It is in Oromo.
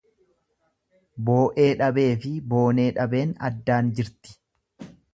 Boo'ee dhabeefi boonee dhabeen addaan jirti.